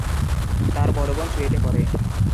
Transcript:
তার বড় বোন চুয়েটে পড়ে।